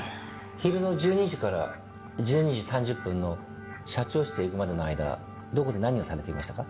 昼の１２時から１２時３０分の社長室へ行くまでの間どこで何をされていましたか？